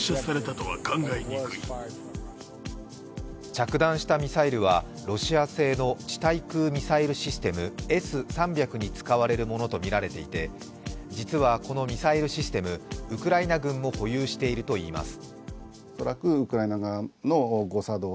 着弾したミサイルはロシア製の地対空ミサイルシステムＳ−３００に使われるものとみられていて実はこのミサイルシステム、ウクライナ軍も保有しているといいます。